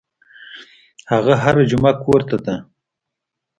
هغه هره جمعه کور ته ته.